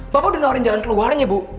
bapak udah dengerin jalan keluarnya bu